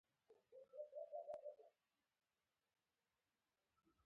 ما ورته وویل: راته ووایه، زما د معلوماتو لپاره، زه غواړم پوه شم.